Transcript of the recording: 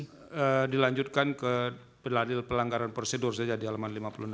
ini dilanjutkan ke peladil pelanggaran prosedur saja di alaman lima puluh enam